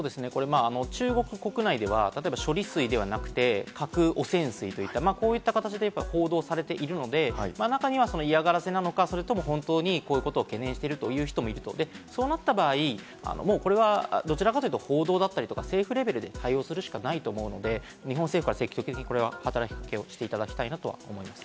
中国国内では、例えば処理水ではなくて、核汚染水といった、こういった形で報道されているので、中には嫌がらせなのか、本当にこういうことを懸念しているという人もいると、そうなった場合、もうこれはどちらかというと報道だったり政府レベルで対応するしかないと思うので、日本政府から積極的に働き掛けをしていただきたいと思います。